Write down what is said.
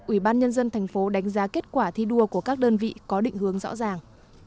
ủy ban nhân dân thành phố đánh giá kết quả thi đua của các đơn vị có định hướng rõ ràng